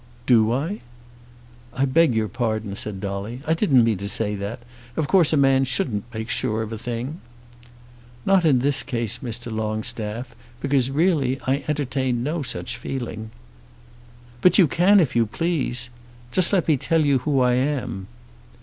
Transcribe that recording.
"Do I?" "I beg your pardon," said Dolly. "I didn't mean to say that. Of course a man shouldn't make sure of a thing." "Not in this case, Mr. Longstaff; because really I entertain no such feeling." "But you can if you please. Just let me tell you who I am."